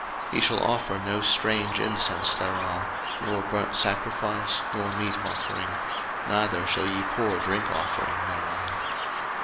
02:030:009 Ye shall offer no strange incense thereon, nor burnt sacrifice, nor meat offering; neither shall ye pour drink offering thereon.